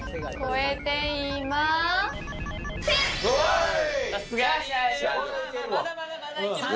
まだまだまだいけます